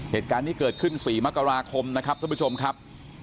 เหตุการณ์นี้เกิดขึ้น๔มกราคมนะครับท่านผู้ชมครับ